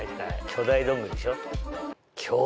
巨大ドングリでしょ？